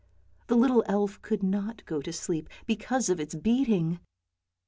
The little elf could not go to sleep because of its beating.